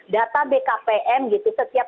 data bkpm gitu setiap